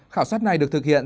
khảo sát này được thực hiện